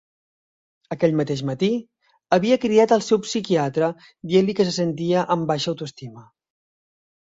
Aquell mateix matí, havia cridat al seu psiquiatre dient-li que se sentia amb baixa autoestima.